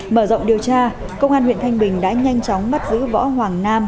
mở rộng điều tra công an huyện thanh bình đã nhanh chóng bắt giữ võ hoàng nam